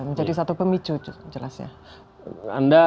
menjadi satu pemicu jelasnya